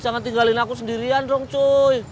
jangan tinggalin aku sendirian dong cuy